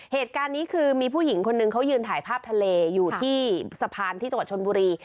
เหตุการณ์นี้คือมีผู้หญิงคนนึงเขายืนถ่ายภาพทะเลอยู่ที่สะพานที่จังหวัดชนบุรี